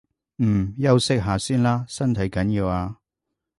嗯，休息下先啦，身體緊要啊